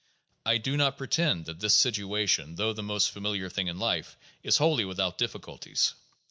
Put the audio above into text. I do not pretend that this situation, though the most familiar thing in life, is wholly without difficulties.